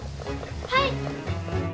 はい！